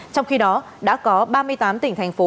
trong khi đó đã có ba mươi tám tỉnh thành phố